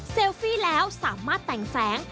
ฟี่แล้วสามารถแต่งแสง